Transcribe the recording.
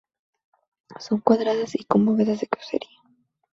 Son cuadradas y con bóvedas de crucería.